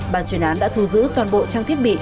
bàn chuyên án đã thu giữ toàn bộ trang thiết bị